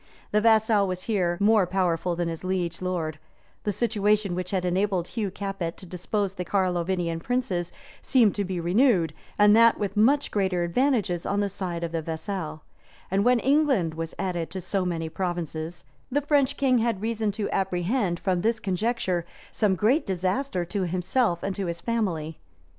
The vassal was here more powerful than his liege lord: the situation which had enabled Hugh Capet to depose the Carlovingian princes, seemed to be renewed, and that with much greater advantages on the side of the vassal: and when England was added to so many provinces, the French king had reason to apprehend, from this conjuncture, some great disaster to himself and to his family.